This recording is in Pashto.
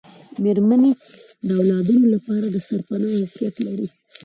میرمنې د اولادونو لپاره دسرپنا حیثیت لري